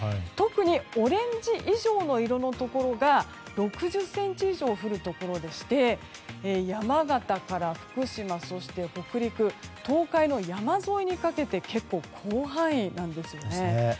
特にオレンジ以上の色のところが６０ｃｍ以上降るところでして山形から福島、東北、北陸東海の山沿いにかけて結構、広範囲なんですよね。